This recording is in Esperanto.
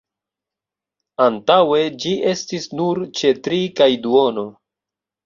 Antaŭe ĝi estis nur ĉe tri kaj duono.